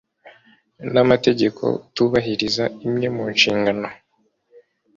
n amategeko utubahiriza imwe mu nshingano